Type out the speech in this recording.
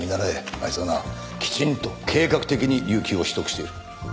あいつはなきちんと計画的に有休を取得している。